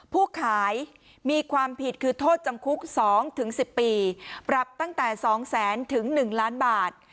ผู้ขายมีความผิดคือโทษจำคุก๒๑๐ปีปรับตั้งแต่๒๐๐๐๐๐๑๐๐๐๐๐๐บาท